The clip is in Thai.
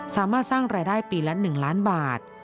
สามารถสร้างรายได้ปีละ๑ล้านบาท